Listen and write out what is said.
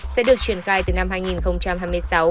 sẽ được triển khai từ năm hai nghìn hai mươi sáu